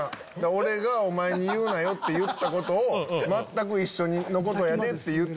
俺がお前に「言うなよ」って言ったことを「全く一緒のことやで」って言って。